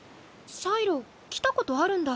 シャイロ来たことあるんだ？